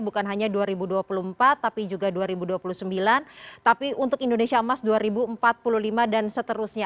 bukan hanya dua ribu dua puluh empat tapi juga dua ribu dua puluh sembilan tapi untuk indonesia emas dua ribu empat puluh lima dan seterusnya